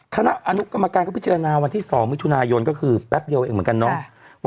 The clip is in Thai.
คณะอนุกรรมการก็พิจารณาวันที่๒มิถุนายนก็คือแป๊บเดียวเองเหมือนกันเนาะ